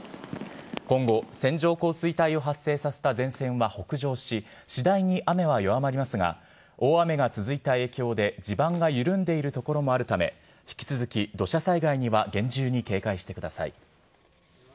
今後、線状降水帯を発生させた前線は北上し、次第に雨は弱まりますが、大雨が続いた影響で、地盤が緩んでいる所もあるため、引き続き土砂災害には、厳重に警戒してください。